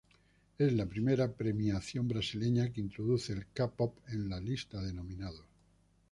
Es la primera premiación brasileña que introduce el k-pop en la lista de nominados.